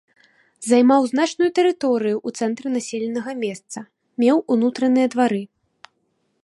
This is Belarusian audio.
Займаў значную тэрыторыю ў цэнтры населенага месца, меў унутраныя двары.